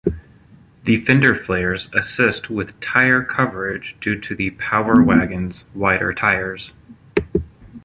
The fender flares assist with tire coverage due to the Power Wagon's wider tires.